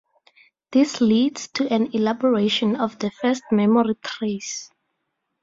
This leads to an elaboration of the first memory trace.